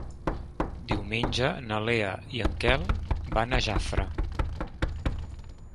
Diumenge na Lea i en Quel van a Jafre.